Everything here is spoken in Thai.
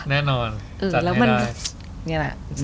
แน่นอนจัดให้ได้